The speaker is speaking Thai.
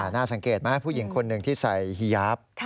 น่าสังเกตมั้ยผู้หญิงคนนึงที่ใส่หยาบ